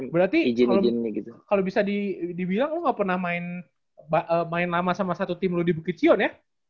berarti kalau bisa dibilang lo gak pernah main lama sama satu tim lo di bukitchion ya